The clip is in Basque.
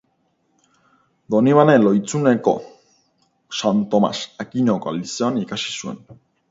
Donibane Lohizuneko San Tomas Akinokoa lizeoan ikasi zuen.